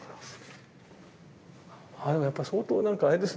ああでもやっぱ相当何かあれですね